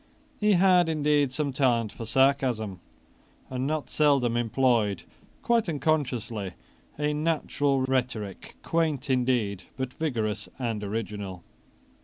He had indeed some talent for sarcasm, and not seldom employed, quite unconsciously, a natural rhetoric, quaint, indeed, but vigorous and original.